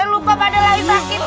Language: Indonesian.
lupa padahal lagi sakit